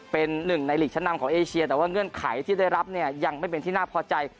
เป็นหนึ่งในหลีกชั้นนำของเอเชียแต่ว่าเงื่อนไขที่ได้รับเนี่ยยังไม่เป็นที่น่าพอใจ